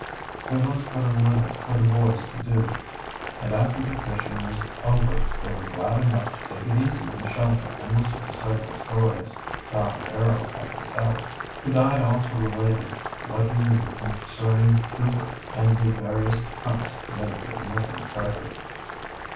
There was but a little for the boys to do, and after the fishing was over they were glad enough to take it easy in the shelter and listen to several stories John Barrow had to tell. The guide also related what he knew concerning Goupert and the various hunts made for the missing treasure.